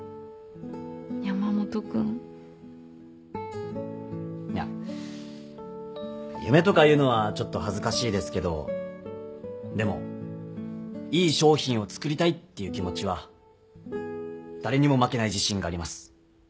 山本君。いや夢とか言うのはちょっと恥ずかしいですけどでもいい商品を作りたいっていう気持ちは誰にも負けない自信があります。